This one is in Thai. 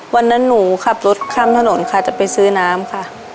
วันนั้นหนูขับรถข้ามถนนค่ะจะไปซื้อน้ำค่ะ